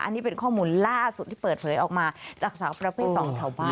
อันนี้เป็นข้อมูลล่าสุดที่เปิดเผยออกมาจากสาวประเภท๒แถวบ้าน